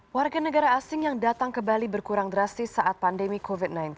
warga negara asing yang datang ke bali berkurang drastis saat pandemi covid sembilan belas